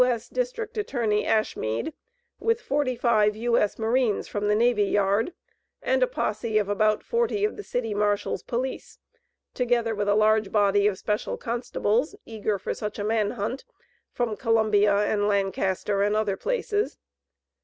S. District Attorney Ashmead, with forty five U.S. Marines from the Navy Yard, and a posse of about forty of the City Marshal's police, together with a large body of special constables, eager for such a manhunt, from Columbia and Lancaster and other places.